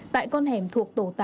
tại con hẻm thuộc tổ tám